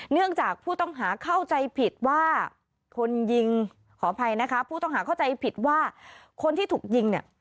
เนื่องจากผู้ต้องหาเข้าใจผิดว่าคนที่ถูกยิง